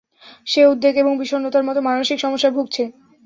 সে উদ্বেগ এবং বিষণ্নতার মতো, মানসিক সমস্যায় ভুগছে।